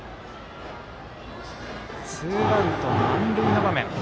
ツーアウト、満塁の場面。